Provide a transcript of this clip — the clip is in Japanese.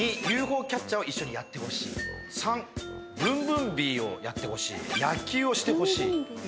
２ＵＦＯキャッチャーを一緒にやってほしい３ブンブンビーをやってほしい野球をしてほしいムロさん